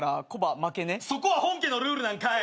そこは本家のルールなんかい。